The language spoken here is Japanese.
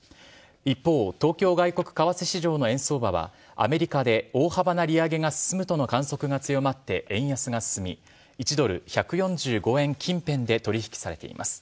一方、東京外国為替出場の円相場はアメリカで大幅な利上げが進むとの観測が強まって円安が進み１ドル１４５円近辺で取引されています。